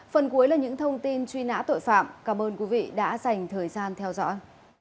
phần cuối là những thông tin truy nã tội phạm cảm ơn quý vị đã dành thời gian theo dõi